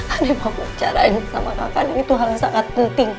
adik kandung aku ucarain sama kakak kandung itu hal yang sangat penting